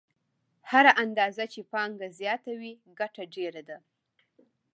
هره اندازه چې پانګه زیاته وي ګټه ډېره ده